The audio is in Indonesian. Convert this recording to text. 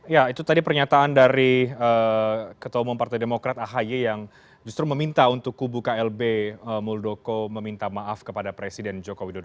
ya itu tadi pernyataan dari ketua umum partai demokrat ahy yang justru meminta untuk kubu klb muldoko meminta maaf kepada presiden joko widodo